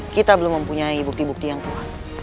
kita belum mempunyai bukti bukti yang kuat